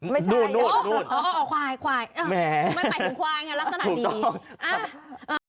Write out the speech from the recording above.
ไม่ใช่โน้นโน้นขวายขวายขวายแหละสุดท้ายดี